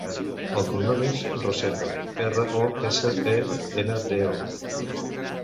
El cognom és Rosendo: erra, o, essa, e, ena, de, o.